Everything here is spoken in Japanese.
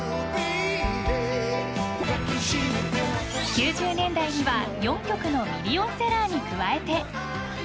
［９０年代には４曲のミリオンセラーに加えて］